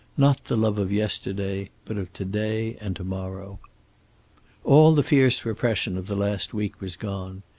Not the love of yesterday, but of to day and to morrow. All the fierce repression of the last weeks was gone.